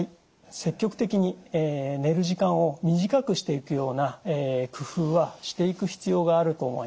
積極的に寝る時間を短くしていくような工夫はしていく必要があると思います。